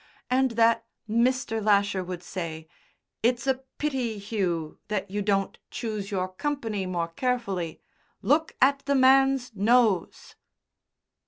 And that Mr. Lasher would say, "It's a pity, Hugh, that you don't choose your company more carefully. Look at the man's nose!"